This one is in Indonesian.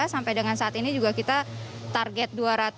sampai dengan saat ini juga kita target dua ratus